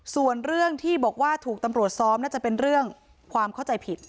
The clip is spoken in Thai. ส่วนเรื่องที่บอกว่าถูกตำรวจซ้อมน่าจะเป็นเรื่องความเข้าใจผิด